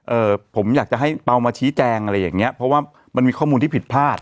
เอ่อผมอยากจะให้เปล่ามาชี้แจงอะไรอย่างเงี้ยเพราะว่ามันมีข้อมูลที่ผิดพลาด